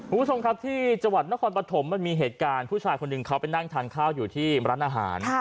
คุณผู้ชมครับที่จังหวัดนครปฐมมันมีเหตุการณ์ผู้ชายคนหนึ่งเขาไปนั่งทานข้าวอยู่ที่ร้านอาหาร